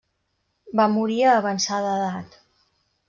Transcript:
Va morir a avançada edat.